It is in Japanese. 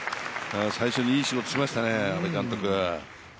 最初にいい仕事しましたね、阿部監督。